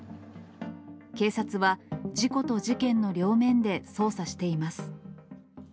警察は、事故と事件の両面で捜査しています。